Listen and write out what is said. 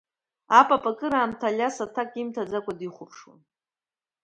Апап акыраамҭа Алиас аҭак имҭаӡакәа дихәаԥшуан.